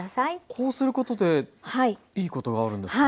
こうすることでいいことがあるんですか？